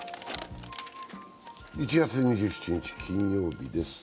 １月２７日金曜日です。